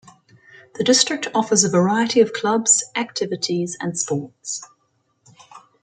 The district offers a variety of clubs, activities and sports.